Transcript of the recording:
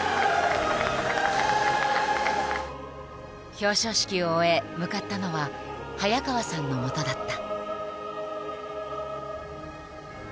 表彰式を終え向かったのは早川さんのもとだった。